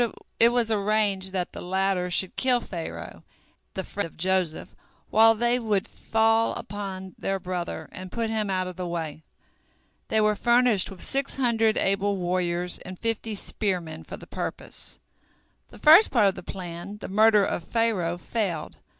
It was arranged that the latter should kill Pharaoh, the friend of Joseph, while they would fall upon their brother, and put him out of the way. They were furnished with six hundred able warriors and fifty spearmen for the purpose. The first part of the plan, the murder of Pharaoh, failed.